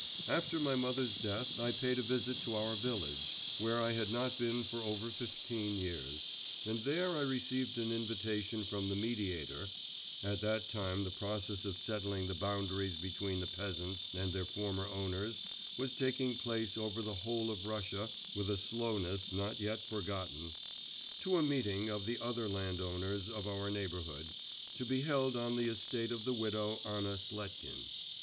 After my mother's death I paid a visit to our village, where I had not been for over fifteen years, and there I received an invitation from the mediator (at that time the process of settling the boundaries between the peasants and their former owners was taking place over the whole of Russia with a slowness not yet forgotten) to a meeting of the other landowners of our neighbourhood, to be held on the estate of the widow Anna Sletkin.